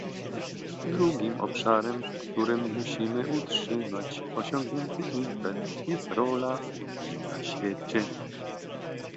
Drugim obszarem, w którym musimy utrzymać osiągnięty impet, jest rola Unii na świecie